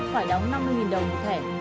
phải đóng năm mươi đồng một thẻ